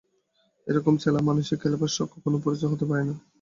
এ রকম ছেলেমানুষি খেলবার শখ কখনো পুরুষদের হতেই পারে না।